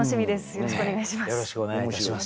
よろしくお願いします。